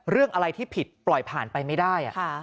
เรื่องอะไรที่ผิดปล่อยผ่านไปไม่ได้